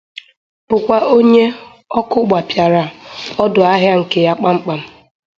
bụkwa onye ọkụ gbapịàrà ọdụ ahịa nke ya kpamkpam